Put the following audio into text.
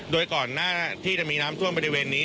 โดยก่อนหน้าที่จะมีน้ำท่วมบริเวณนี้